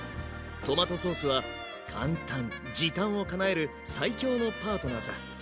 トマトソースは簡単・時短をかなえる最強のパートナーさ。